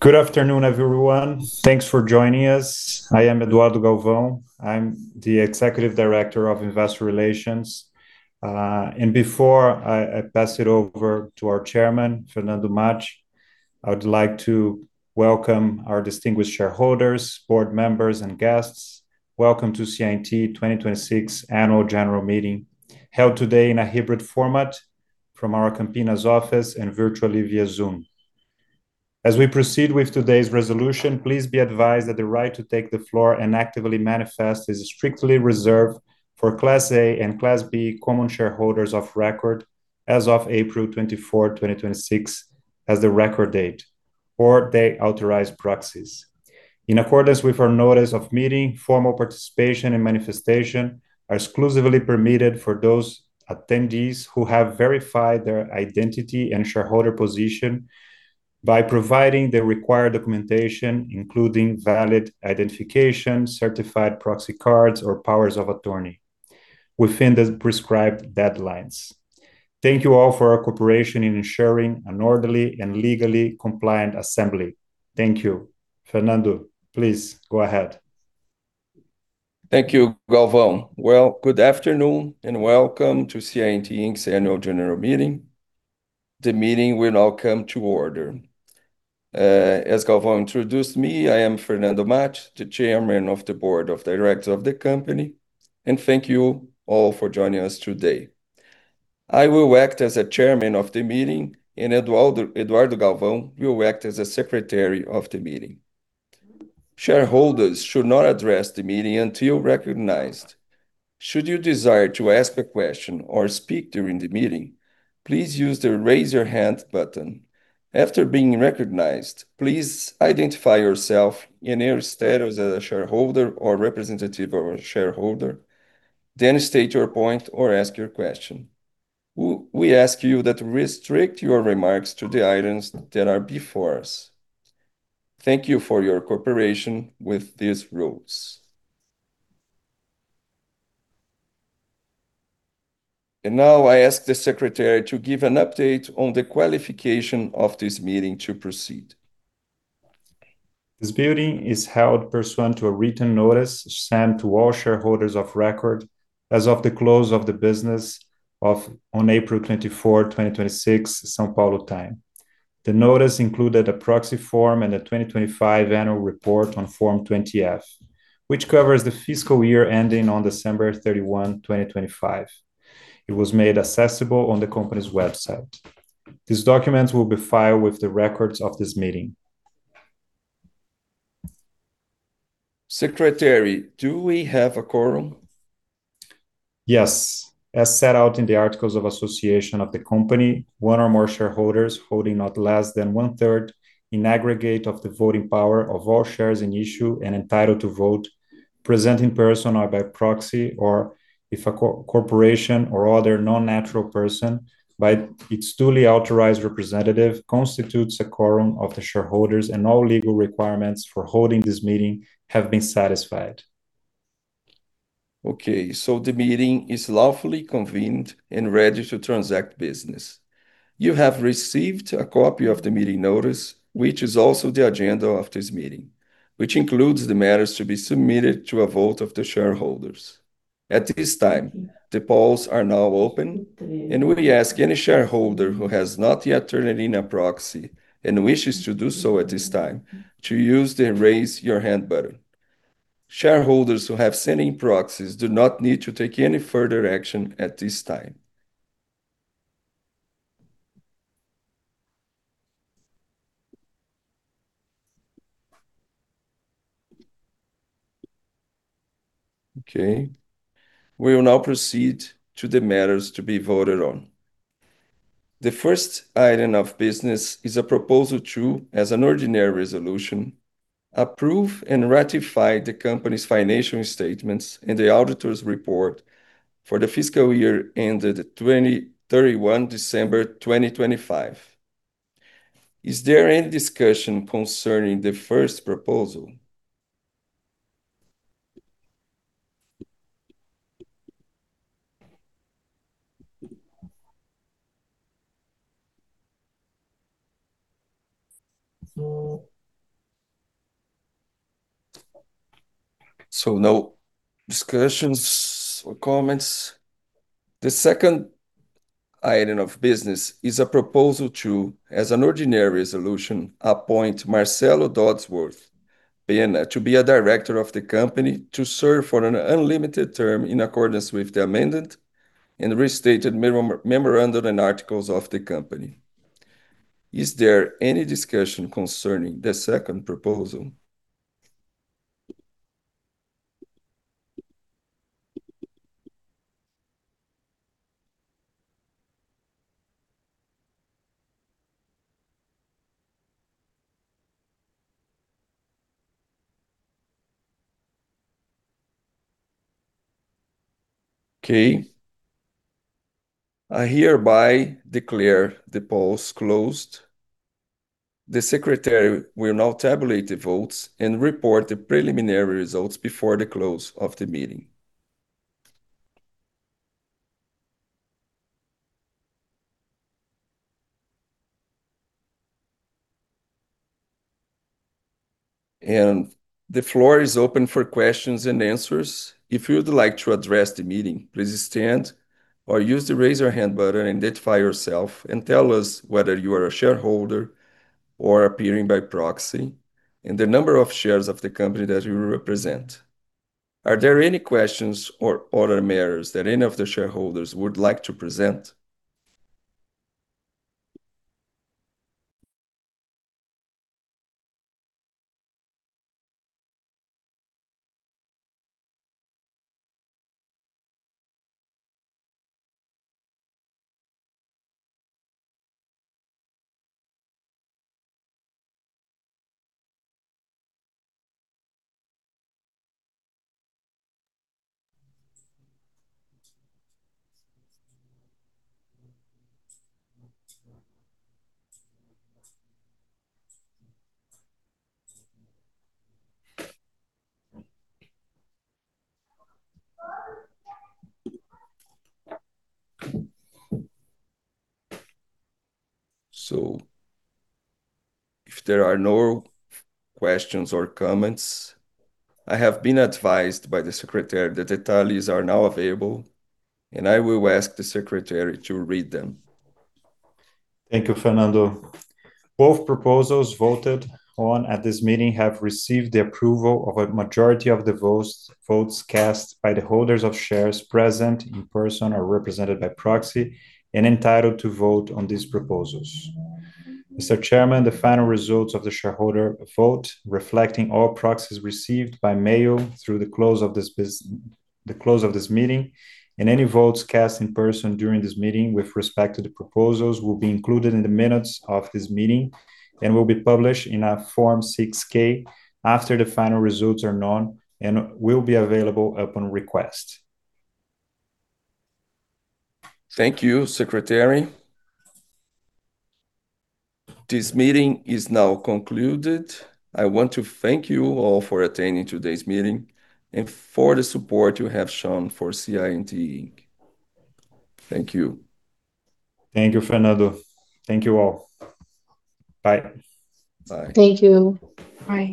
Good afternoon, everyone. Thanks for joining us. I am Eduardo Galvão. I'm the executive director of investor relations. Before I pass it over to our Chairman, Fernando Matt, I would like to welcome our distinguished shareholders, board members, and guests. Welcome to CI&T 2026 annual general meeting, held today in a hybrid format from our Campinas office and virtually via Zoom. As we proceed with today's resolution, please be advised that the right to take the floor and actively manifest is strictly reserved for Class A and Class B common shareholders of record as of April 24, 2026, as the record date, or their authorized proxies. In accordance with our notice of meeting, formal participation and manifestation are exclusively permitted for those attendees who have verified their identity and shareholder position by providing the required documentation, including valid identification, certified proxy cards, or powers of attorney within the prescribed deadlines. Thank you all for our cooperation in ensuring an orderly and legally compliant assembly. Thank you. Fernando, please go ahead. Thank you, Galvão. Well, good afternoon and welcome to CI&T Inc.'s annual general meeting. The meeting will now come to order. As Galvão introduced me, I am Fernando Matt, the chairman of the board of directors of the company. Thank you all for joining us today. I will act as the chairman of the meeting, and Eduardo Galvão will act as the secretary of the meeting. Shareholders should not address the meeting until recognized. Should you desire to ask a question or speak during the meeting, please use the Raise Your Hand button. After being recognized, please identify yourself and your status as a shareholder or representative of a shareholder, then state your point or ask your question. We ask you that restrict your remarks to the items that are before us. Thank you for your cooperation with these rules. Now I ask the secretary to give an update on the qualification of this meeting to proceed. This meeting is held pursuant to a written notice sent to all shareholders of record as of the close of the business on April 24, 2026, São Paulo time. The notice included a proxy form and a 2025 annual report on Form 20-F, which covers the fiscal year ending on December 31, 2025. It was made accessible on the company's website. These documents will be filed with the records of this meeting. Secretary, do we have a quorum? Yes. As set out in the articles of association of the company, one or more shareholders holding not less than one-third in aggregate of the voting power of all shares in issue and entitled to vote, present in person or by proxy or, if a corporation or other non-natural person, by its duly authorized representative, constitutes a quorum of the shareholders and all legal requirements for holding this meeting have been satisfied. The meeting is lawfully convened and ready to transact business. You have received a copy of the meeting notice, which is also the agenda of this meeting, which includes the matters to be submitted to a vote of the shareholders. At this time, the polls are now open, and we ask any shareholder who has not yet turned in a proxy and wishes to do so at this time to use the Raise Your Hand button. Shareholders who have sent in proxies do not need to take any further action at this time. We will now proceed to the matters to be voted on. The first item of business is a proposal to, as an ordinary resolution, approve and ratify the company's financial statements and the auditor's report for the fiscal year ended December 31, 2025. Is there any discussion concerning the first proposal? No discussions or comments. The second item of business is a proposal to, as an ordinary resolution, appoint Marcelo Dodsworth Penna to be a director of the company to serve for an unlimited term in accordance with the amended and restated memorandum and articles of the company. Is there any discussion concerning the second proposal? Okay. I hereby declare the polls closed. The secretary will now tabulate the votes and report the preliminary results before the close of the meeting. The floor is open for questions and answers. If you would like to address the meeting, please stand or use the raise your hand button and identify yourself and tell us whether you are a shareholder or appearing by proxy, and the number of shares of the company that you represent. Are there any questions or other matters that any of the shareholders would like to present? If there are no questions or comments, I have been advised by the secretary that the tallies are now available, and I will ask the secretary to read them. Thank you, Fernando. Both proposals voted on at this meeting have received the approval of a majority of the votes cast by the holders of shares present in person or represented by proxy and entitled to vote on these proposals. Mr. Chairman, the final results of the shareholder vote, reflecting all proxies received by mail through the close of this meeting, and any votes cast in person during this meeting with respect to the proposals will be included in the minutes of this meeting and will be published in a Form 6-K after the final results are known and will be available upon request. Thank you, Secretary. This meeting is now concluded. I want to thank you all for attending today's meeting and for the support you have shown for CI&T Inc. Thank you. Thank you, Fernando. Thank you all. Bye. Bye. Thank you. Bye